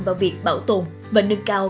vào việc bảo tồn và nâng cao